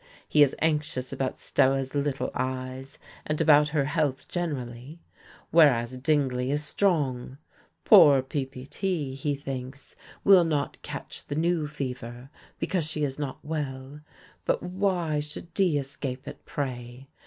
He is anxious about Stella's "little eyes," and about her health generally; whereas Dingley is strong. Poor Ppt, he thinks, will not catch the "new fever," because she is not well; "but why should D escape it, pray?"